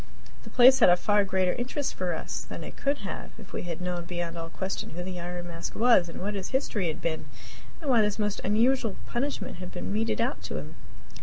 The place had a far greater interest for us than it could have had if we had known beyond all question who the Iron Mask was, and what his history had been, and why this most unusual punishment had been meted out to him.